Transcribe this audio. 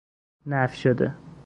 نفی شده